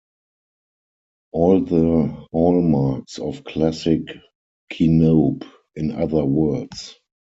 All the hallmarks of classic Kinobe, in other words.